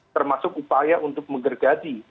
termasuk upaya untuk mengergaji